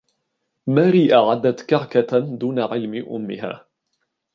ماري أعدت كعكة دون علم أمها.